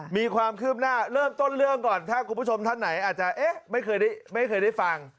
มีความคืบหน้าเริ่มต้นเรื่องก่อนถ้าคุณผู้ชมท่านไหนอาจจะไม่เคยได้ฟัง